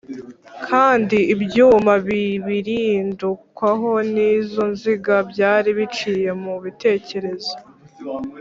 kandi ibyuma bibirindukwaho n’izo nziga byari biciye mu gitereko